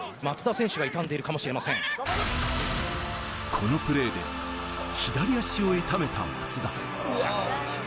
このプレーで左足を痛めた松田。